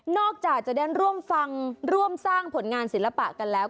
จากจะได้ร่วมฟังร่วมสร้างผลงานศิลปะกันแล้ว